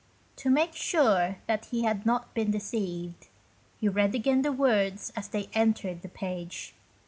To make sure that he had not been deceived, he read again the words as they entered the page.